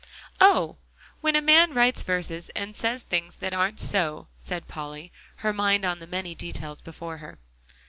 "Oh! when a man writes verses and says things that aren't so," said Polly, her mind on the many details before her.